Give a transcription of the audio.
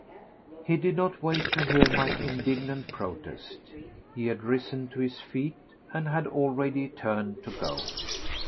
He did not wait to hear my indignant protest. He had risen to his feet, and had already turned to go.